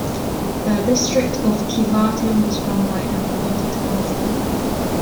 The District of Keewatin was run by an appointed council.